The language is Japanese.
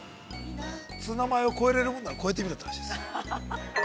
◆ツナマヨ、超えれるもんなら超えてみろって話です。